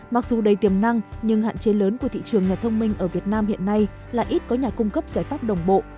mặc dù đầy tiềm năng nhưng hạn chế lớn của thị trường nhà thông minh ở việt nam hiện nay là ít có nhà cung cấp giải pháp đồng bộ